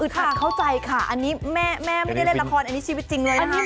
คือทันเข้าใจค่ะอันนี้แม่ไม่ได้เล่นละครอันนี้ชีวิตจริงเลยนะคะ